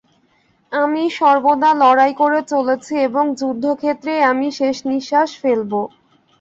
আমি সর্বদা লড়াই করে চলেছি এবং যুদ্ধক্ষেত্রেই আমি শেষনিঃশ্বাস ফেলব।